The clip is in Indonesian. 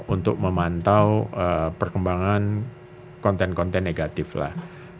untuk memantau perkembangan konten konten negatif lah